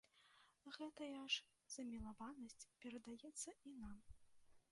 Гэтая ж замілаванасць перадаецца і нам.